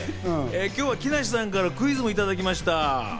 今日は木梨さんからクイズもいただきました。